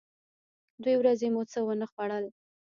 دوې ورځې مو څه و نه خوړل.